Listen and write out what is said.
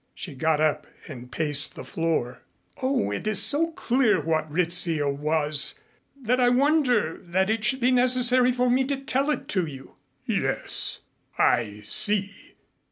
She got up and paced the floor. "Oh, it is so clear, what Rizzio was, that I wonder that it should be necessary for me to tell it to you." "Yes, I see.